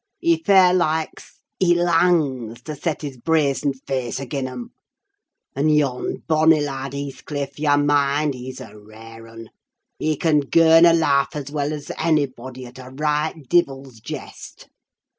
He fair likes—he langs to set his brazened face agean 'em! And yon bonny lad Heathcliff, yah mind, he's a rare 'un. He can girn a laugh as well 's onybody at a raight divil's jest.